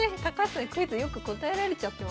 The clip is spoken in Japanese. クイズよく答えられちゃってますから。